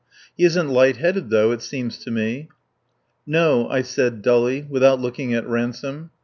He isn't light headed, though, it seems to me." "No," I said dully, without looking at Ransome.